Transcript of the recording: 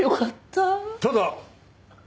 ただ。